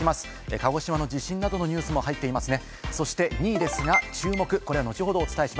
鹿児島の地震などのニュースも入っていますね。